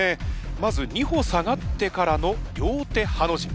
まず２歩下がってからの両手ハの字。